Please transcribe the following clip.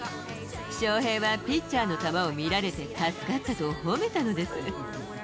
翔平はピッチャーの球を見られて助かったと褒めたのです。